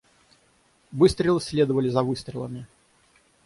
Выстрелы следовали за выстрелами.